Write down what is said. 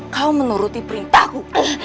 kau menuruti perintahku